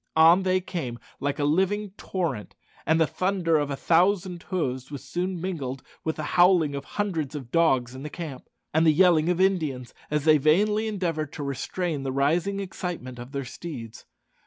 On they came like a living torrent, and the thunder of a thousand hoofs was soon mingled with the howling of hundreds of dogs in the camp, and the yelling of Indians, as they vainly endeavoured to restrain the rising excitement of their steeds.